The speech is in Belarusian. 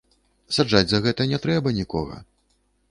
Саджаць за гэта не трэба нікога.